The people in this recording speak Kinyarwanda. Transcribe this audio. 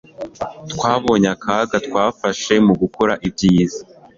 Twabonye akaga twafashe mugukora ibyiza